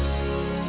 keluk dong suaminya